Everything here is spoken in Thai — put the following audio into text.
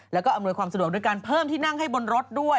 แล้วก็อำนวยความสะดวกด้วยการเพิ่มที่นั่งให้บนรถด้วย